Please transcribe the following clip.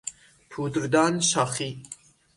پودردان شاخی